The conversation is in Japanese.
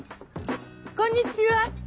こんにちは！